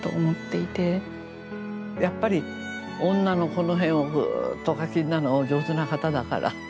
やっぱり女のこの辺をぐっとお書きになるのがお上手な方だから。